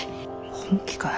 本気かえ？